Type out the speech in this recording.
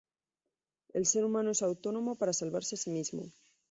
El ser humano es autónomo para salvarse a sí mismo.